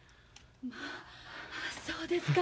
まあそうですか。